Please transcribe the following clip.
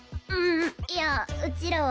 んいやうちらは。